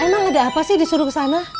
emang ada apa sih disuruh kesana